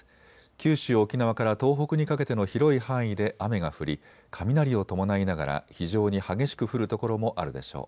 九州、沖縄から東北にかけての広い範囲で雨が降り雷を伴いながら非常に激しく降る所もあるでしょう。